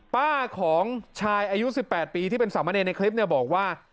ป้าของชายอายุ๑๘ปีที่เป็นสามเณรในคลิปเนี่ยบอกว่า